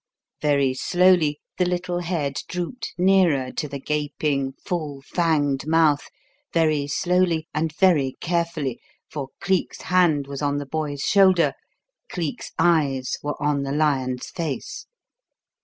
Very slowly the little head drooped nearer to the gaping, full fanged mouth, very slowly and very carefully, for Cleek's hand was on the boy's shoulder, Cleek's eyes were on the lion's face.